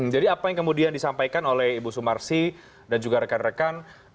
jadi apa yang kemudian disampaikan oleh ibu sumarsi dan juga rekan rekan